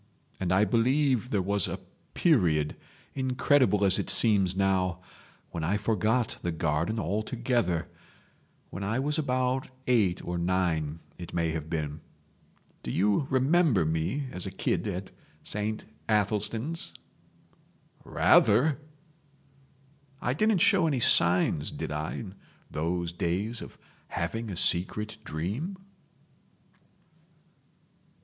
And I believe there was a period—incredible as it seems now—when I forgot the garden altogether—when I was about eight or nine it may have been. Do you remember me as a kid at Saint Athelstan's?" "Rather!" "I didn't show any signs did I in those days of having a secret dream?"